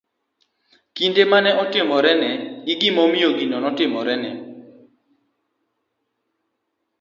kinde ma ne otimorene, gi gimomiyo gino notimore.